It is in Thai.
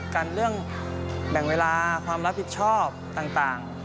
กันเรื่องแบ่งเวลาความรับผิดชอบต่าง